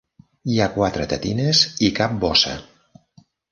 Hi ha quatre tetines i cap bossa.